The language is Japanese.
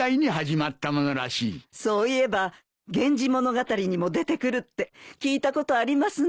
そういえば『源氏物語』にも出てくるって聞いたことありますね。